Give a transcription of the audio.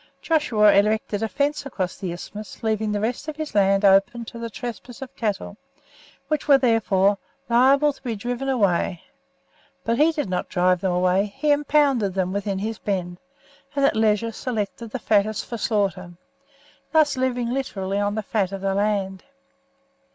Joshua erected a fence across the isthmus, leaving the rest of his land open to the trespass of cattle, which were, therefore, liable to be driven away. But he did not drive them away; he impounded them within his bend, and at his leisure selected the fattest for slaughter, thus living literally on the fat of the land.